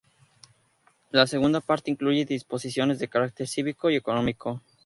La segunda parte incluye disposiciones de carácter cívico y económico.